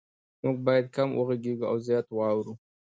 مونږ باید کم وغږیږو او زیات واورو